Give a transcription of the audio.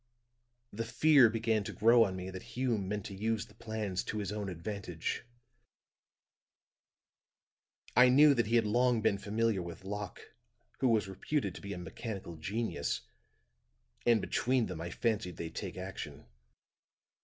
"The fear began to grow on me that Hume meant to use the plans to his own advantage; I knew that he had long been familiar with Locke, who was reputed to be a mechanical genius, and between them, I fancied they'd take action.